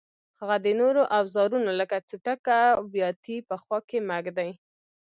هغه د نورو اوزارونو لکه څټک او بیاتي په خوا کې مه ږدئ.